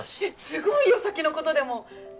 すごいよ先のことでも。